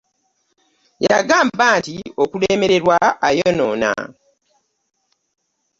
Yagamba nti okulemerewa ayonoona ,